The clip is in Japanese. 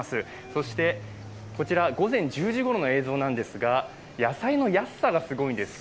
そして、午前１０時ごろの映像なんですが、野菜の安さがすごいんです。